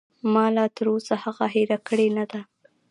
ما لاتر اوسه هغه هېره کړې نه ده.